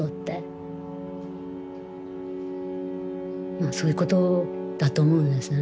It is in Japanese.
まあそういうことだと思うんですよね。